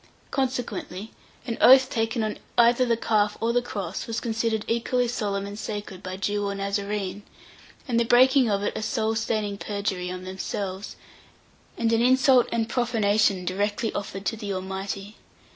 Consequently, an oath taken on either the calf or the cross was considered equally solemn and sacred by Jew or Nazarene, and the breaking of it a soul staining perjury on themselves, and an insult and profanation directly offered to the Almighty.